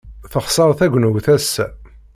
Texṣer tegnewt ass-a.